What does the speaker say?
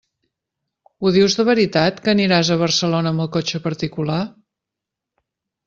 Ho dius de veritat que aniràs a Barcelona amb el cotxe particular?